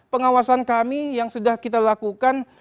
pengawasan kami yang sudah kita lakukan